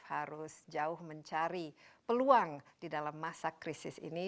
harus jauh mencari peluang di dalam masa krisis ini